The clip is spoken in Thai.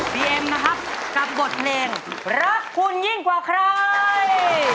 เอ็มนะครับกับบทเพลงรักคุณยิ่งกว่าใคร